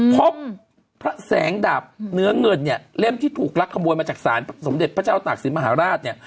พบพระแสงดาบเหนือเงินเล่มที่ถูกลักขโมยมาจากสารสมเด็จพระเจ้าตากสินมหาราช